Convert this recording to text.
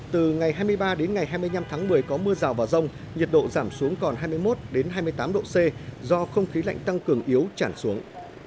từ ngày hai mươi ba đến ngày hai mươi năm tháng một mươi có mưa rào và rông nhiệt độ giảm xuống còn hai mươi một hai mươi tám độ c do không khí lạnh tăng cường yếu chản xuống